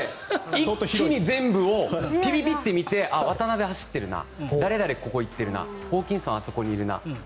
一気に全部をピピピッて見てあっ、渡邊、走ってるな誰々、ここに行ってるなホーキンソンあそこにいるな。